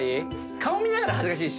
顔見ながらは恥ずかしいでしょ？